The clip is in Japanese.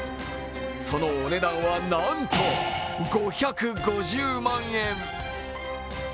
そのお値段はなんと５５０万円。